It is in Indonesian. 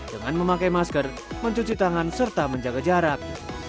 dengan memakai masker mencuci tangan serta menjaga jarak